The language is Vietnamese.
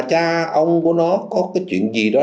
cha ông của nó có cái chuyện gì đó